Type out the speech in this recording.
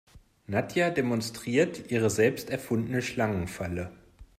Nadja demonstriert ihre selbst erfundene Schlangenfalle.